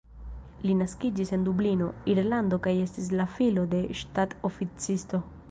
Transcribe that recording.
Li naskiĝis en Dublino, Irlando kaj estis la filo de ŝtat-oficisto.